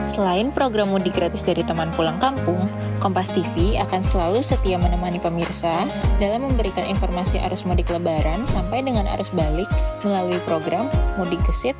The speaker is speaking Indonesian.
selain program mudik gratis dari teman pulang kampung kompas tv akan selalu setia menemani pemirsa dalam memberikan informasi arus mudik lebaran sampai dengan arus balik melalui program mudik gesit